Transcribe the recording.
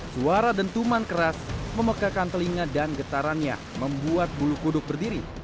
suara dentuman keras memekakan telinga dan getarannya membuat bulu kuduk berdiri